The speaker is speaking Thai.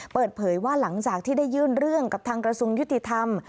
เปิดเผยว่าหลังจากที่ได้ยื่นเรื่องกับทางกระทรวงยุติธรรม